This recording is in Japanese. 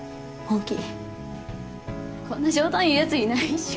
こんな冗談言うやついないっしょ。